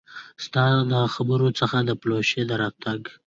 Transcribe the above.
ستا د خبرو څخه د پلوشو د راتګ